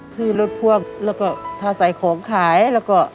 พืชรถพวกแล้วก็ถ่ายใส่ของขายแล้วก็